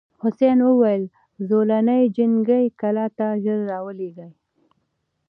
حسن وویل زولنې جنګي کلا ته ژر راولېږه.